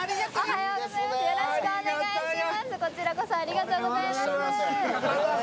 おはようございます。